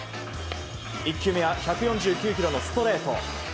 １球目が１４９キロのストレート。